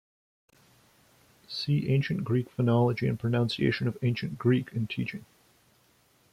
See Ancient Greek phonology and Pronunciation of Ancient Greek in teaching.